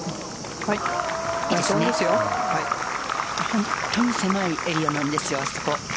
本当に狭いエリアなんですよ、あそこ。